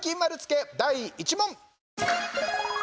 第１問。